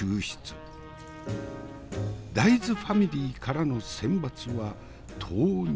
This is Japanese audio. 大豆ファミリーからの選抜は豆乳。